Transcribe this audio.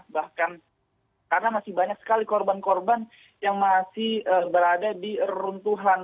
bahkan karena masih banyak sekali korban korban yang masih berada di runtuhan